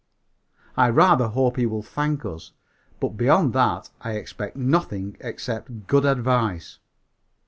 I rather hope he will thank us, but beyond that I expect nothing except good advice.